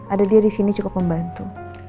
ada dia disini cukup membantu